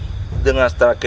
tidak salah lagi